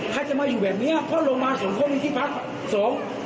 ถ้าจะมาอยู่แบบนี้เพราะลงมาส่งเข้าไปที่ภาค๒